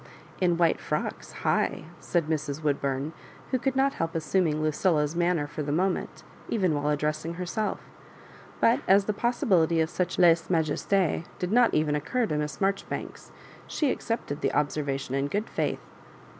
•* In white frocks, hight^* said Mrs. Woodbum, who could not help assuming Lucilla's manner for the moment, even while addressing herself; but as the possibility of such a Use majesU did not even occur to Miss Maijoribanks^ she accepted the observation in good faith.